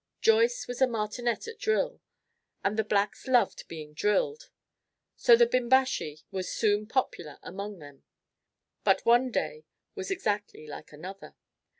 Joyce was a martinet at drill, and the blacks loved being drilled, so the Bimbashi was soon popular among them. But one day was exactly like another.